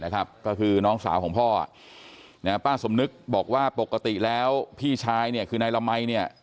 ก็คือน้องสาวของพ่อป้าสมนึกบอกว่าปกติแล้วพี่ชายเนี่ยคือนายละมัยเนี่ย